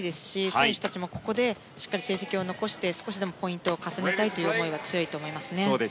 選手たちもここで成績を残して少しでもポイントを重ねたいという思いが強いと思いますね。